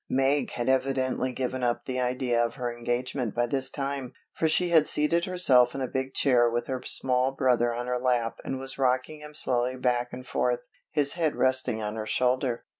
Meg had evidently given up the idea of her engagement by this time, for she had seated herself in a big chair with her small brother on her lap and was rocking him slowly back and forth, his head resting on her shoulder.